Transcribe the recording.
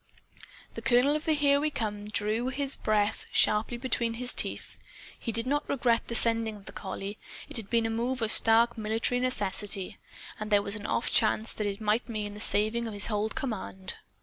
The colonel of the Here We Comes drew his breath sharply between his teeth. He did not regret the sending of the collie. It had been a move of stark military necessity. And there was an off chance that it might mean the saving of his whole command.